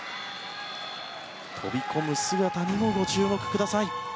飛び込む姿にもご注目ください。